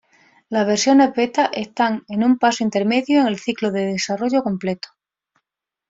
Las versiones beta están en un paso intermedio en el ciclo de desarrollo completo.